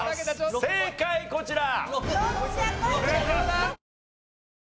正解こちら！